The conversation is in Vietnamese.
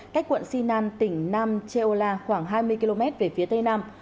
cách quận sinan tỉnh nam cheola khoảng hai mươi km về phía tây nam